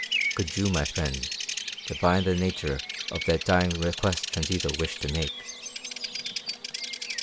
"Could you, my friend, could any man, divine the nature of that dying request Transita wished to make?